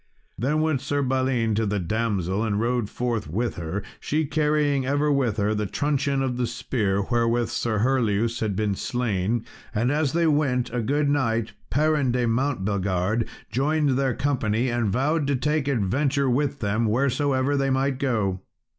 Then went Sir Balin to the damsel, and rode forth with her; she carrying ever with her the truncheon of the spear wherewith Sir Herleus had been slain. And as they went, a good knight, Perin de Mountbelgard, joined their company, and vowed to take adventure with them wheresoever they might go.